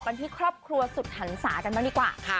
กันที่ครอบครัวสุดทันศาสตร์กันมาดีกว่า